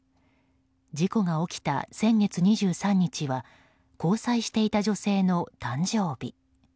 事故が起きた先月２３日には交際していた女性の誕生日。